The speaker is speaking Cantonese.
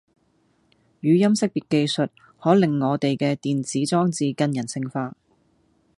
語音識別技術可令我地既電子裝置更人性化